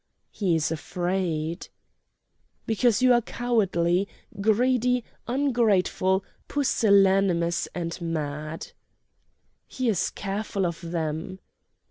"He is afraid!" "Because you are cowardly, greedy, ungrateful, pusillanimous and mad!" "He is careful of them!"